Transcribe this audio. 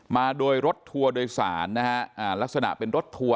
มาโดยรถทัวร์โดยสารนะฮะลักษณะเป็นรถทัวร์